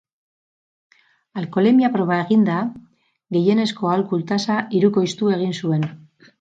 Alkoholemia-proba eginda, gehienezko alkohol-tasa hirukoiztu egin zuen.